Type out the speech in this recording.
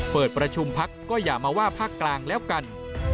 เปิดประชุมพักก็อย่ามาว่าภาคกลางแล้วกัน